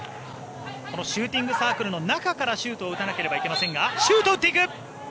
このシューティングサークルの中からシュートを打たなければいけませんがシュートを打っていく。